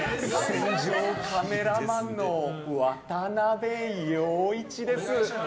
戦場カメラマンの渡部陽一です。